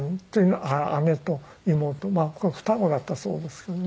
まあこれ双子だったそうですけどね。